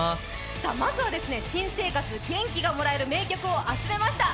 まずは新生活元気がもらえる名曲を集めました。